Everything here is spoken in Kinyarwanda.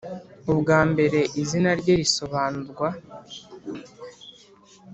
Ubwa mbere izina rye risobanurwa